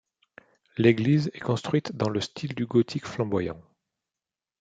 L'église est construite dans le style du gothique flamboyant.